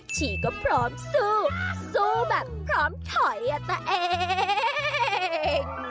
ฉี่ก็พร้อมสู้สู้แบบพร้อมถอยอ่ะตัวเอง